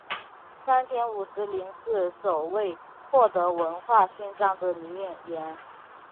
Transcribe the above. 山田五十铃是首位获得文化勋章的女演员。